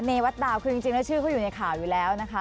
วัดดาวคือจริงแล้วชื่อเขาอยู่ในข่าวอยู่แล้วนะคะ